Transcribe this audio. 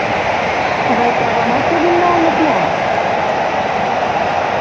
Тыгай правамат поген налыныт мо?..